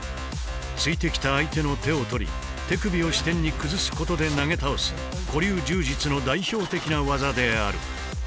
突いてきた相手の手を取り手首を支点に崩すことで投げ倒す古流柔術の代表的な技である。